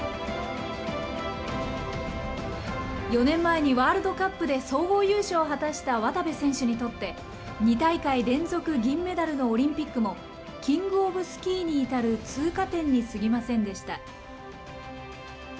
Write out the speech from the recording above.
４年前にワールドカップで総合優勝を果たした渡部選手にとって、２大会連続銀メダルのオリンピックも、キングオブスキーに至る通過点にすぎませんでした。